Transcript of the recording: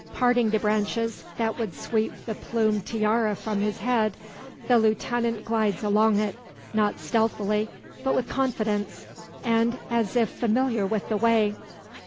Parting the branches, that would sweep the plumed tiara from his head, the lieutenant glides along it, not stealthily, but with confidence, and as if familiar with the way.